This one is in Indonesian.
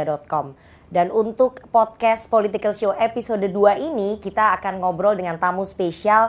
di episode dua ini kita akan ngobrol dengan tamu spesial